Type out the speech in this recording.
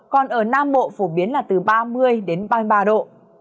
còn ở nam bộ phổ biến là từ ba mươi đến ba mươi ba độ